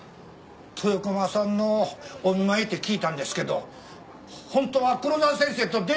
豊駒さんのお見舞いって聞いたんですけどホントは黒沢先生とデートですか？